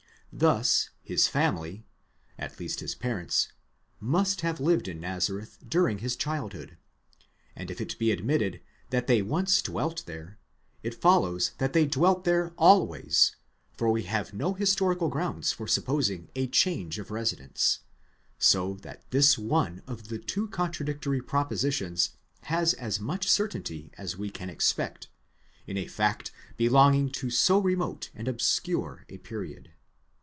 Thus his family, at least his parents, must have lived in Nazareth during his child hood ; and if it be admitted that they once dwelt there, it follows that they dwelt there always, for we have no historical grounds for supposing a change of residence: so that this one of the two contradictory propositions has as much certainty as we can expect, in a fact belonging to so remote and obscure a period.